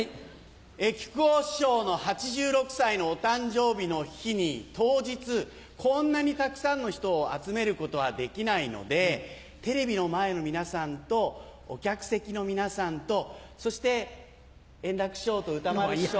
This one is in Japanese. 木久扇師匠の８６歳のお誕生日の日に当日こんなにたくさんの人を集めることはできないのでテレビの前の皆さんとお客席の皆さんとそして円楽師匠と歌丸師匠。